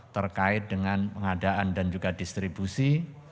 terkait dengan pengadaan dan juga distribusi